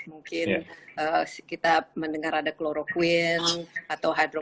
mungkin kita mendengar ada chloroquine atau